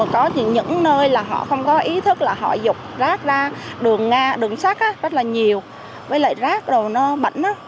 có những nơi là họ không có ý thức là họ dục rác ra đường xác rất là nhiều với lại rác đồ nó bẩn